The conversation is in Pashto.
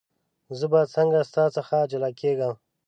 زه به څنګه ستا څخه جلا کېږم.